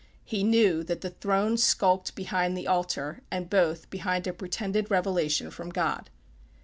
He knew that the throne skulked behind the altar, and both behind a pretended revelation from God.